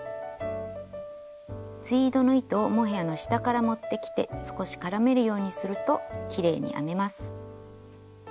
ツイードの糸をモヘアの下から持ってきて少し絡めるようにするときれいに編めます。